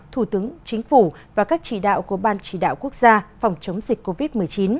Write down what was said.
thủ tướng chính phủ và các chỉ đạo của ban chỉ đạo quốc gia phòng chống dịch covid một mươi chín